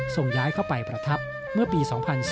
ส่งย้ายเข้าไปประทับเมื่อปี๒๔